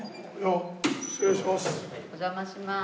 失礼します。